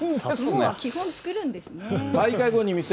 基本、作るんですね。